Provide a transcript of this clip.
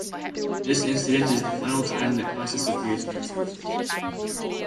This incident is the final time that Cossus appears in our sources.